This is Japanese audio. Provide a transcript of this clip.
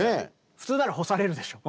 普通なら干されるでしょ。